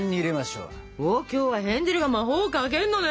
今日はヘンゼルが魔法をかけるのね。